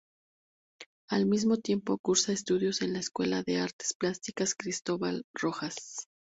Al mismo tiempo, cursa estudios en la escuela de Artes Plásticas "Cristóbal Rojas".